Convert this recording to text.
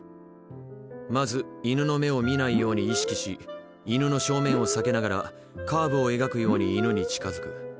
まず犬の目を見ないように意識し犬の正面を避けながらカーブを描くように犬に近づく。